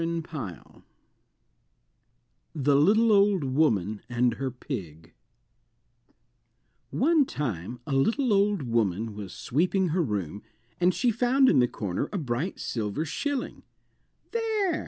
THE LITTLE OLD WOMAN AND HER PIG One time a little old woman was sweeping her room, and she found in the corner a bright silver shilling. "There!"